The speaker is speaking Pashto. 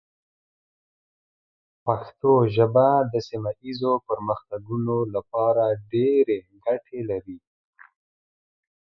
پښتو ژبه د سیمه ایزو پرمختګونو لپاره ډېرې ګټې لري.